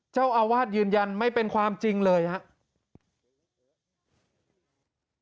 เจ้าอาวาสยืนยันไม่เป็นความจริงเลยครับ